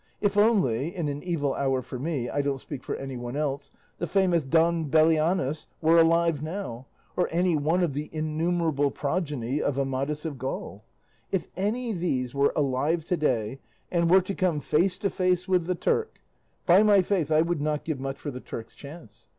If only (in an evil hour for me: I don't speak for anyone else) the famous Don Belianis were alive now, or any one of the innumerable progeny of Amadis of Gaul! If any these were alive to day, and were to come face to face with the Turk, by my faith, I would not give much for the Turk's chance.